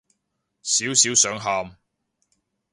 少少想喊